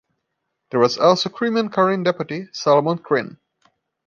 There was also a Crimean Karaim deputy, Salomon Krym.